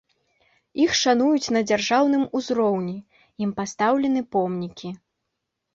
Іх шануюць на дзяржаўным узроўні, ім пастаўлены помнікі.